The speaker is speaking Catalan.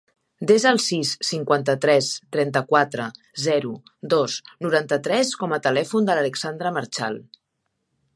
Desa el sis, cinquanta-tres, trenta-quatre, zero, dos, noranta-tres com a telèfon de l'Alexandra Marchal.